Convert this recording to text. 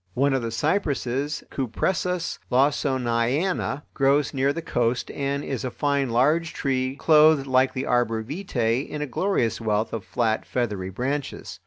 One of the cypresses (Cupressus Lawsoniana) grows near the coast and is a fine large tree, clothed like the arbor vitae in a glorious wealth of flat, feathery branches.